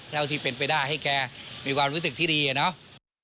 เท่าที่เป็นไปได้ให้แกมีความรู้สึกที่ดีอะเนาะ